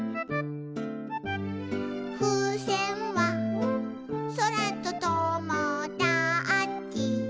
「ふうせんはそらとともだち」